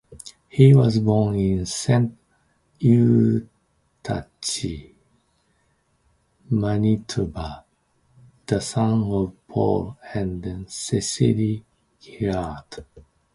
He was born in Saint Eustache, Manitoba, the son of Paul and Cecile Girard.